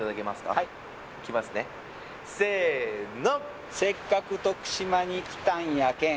はいいきますねせーの「せっかく徳島に来たんやけん」